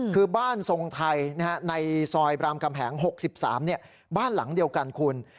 คือบ้านทรงไทยในซอยบรามคำแหง๖๓บ้านหลังเดียวกันคุณ